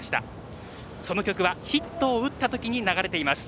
その曲はヒットを打った時に流れています。